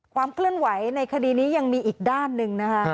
ความเคลื่อนไหวในคดีนี้ยังมีอีกด้านหนึ่งนะคะ